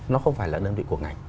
nó không phải là đơn vị của ngành